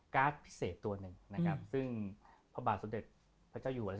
พิเศษตัวหนึ่งนะครับซึ่งพระบาทสมเด็จพระเจ้าอยู่หัว